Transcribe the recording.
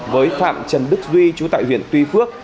với phạm trần đức duy chú tại huyện tuy phước